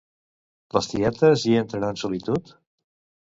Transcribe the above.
Les tietes hi entren en solitud?